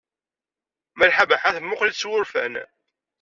Malḥa Baḥa temmuqqel-itt s wurfan.